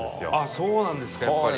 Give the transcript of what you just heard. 「そうなんですかやっぱり」